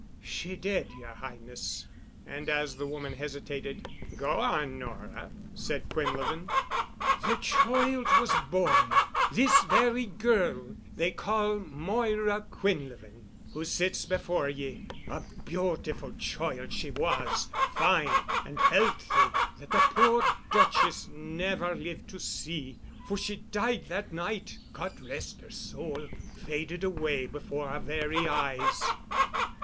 "She did, yer Highness——" And, as the woman hesitated—— "Go on, Nora," said Quinlevin. "The choild was born, this very girl they call Moira Quinlevin, who sits before ye, a beautiful choild she was, fine and healthy that the poor Duchesse never lived to see, for she died that night, God rest her soul, faded away before our very eyes."